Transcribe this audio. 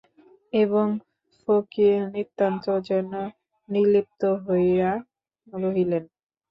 এবং ফকির নিতান্ত যেন নির্লিপ্ত হইয়া রহিলেন।